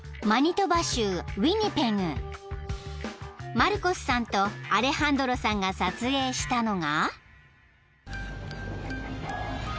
［マルコスさんとアレハンドロさんが撮影したのが］